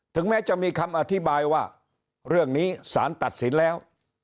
แม้จะมีคำอธิบายว่าเรื่องนี้สารตัดสินแล้ว